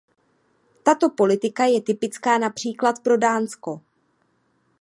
Tato politika je typická například pro Dánsko.